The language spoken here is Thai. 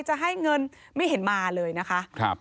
จะให้เงินไม่เห็นมาเลยนะคะ